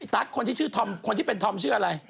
ตั๊กคนที่เป็นท่อมเชื่ออะไร